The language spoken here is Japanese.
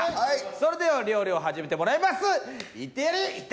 それでは料理を始めてもらいます。